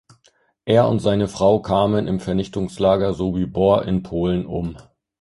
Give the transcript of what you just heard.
Er und seine Frau kamen im Vernichtungslager Sobibor in Polen um.